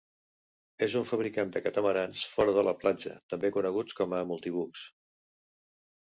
És un fabricant de catamarans fora de la platja, també coneguts com a multibucs